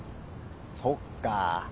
そっか